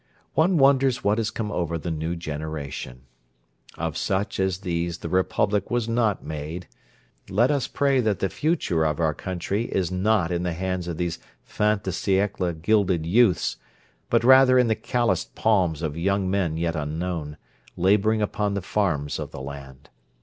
One wonders what has come over the new generation. Of such as these the Republic was not made. Let us pray that the future of our country is not in the hands of these fin de siècle gilded youths, but rather in the calloused palms of young men yet unknown, labouring upon the farms of the land.